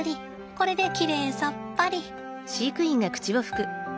これできれいさっぱり。